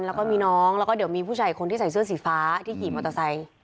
แล้วก็มีน้องแล้วก็เดี๋ยวมีผู้ชายคนที่ใส่เสื้อสีฟ้าที่ขี่มอเตอร์ไซค์